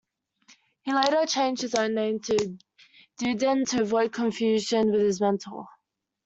He later changed his own name to Dearden to avoid confusion with his mentor.